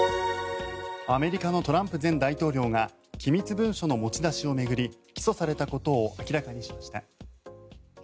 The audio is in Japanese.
アメリカのトランプ前大統領が機密文書の持ち出しを巡り起訴されたことを明らかにしました。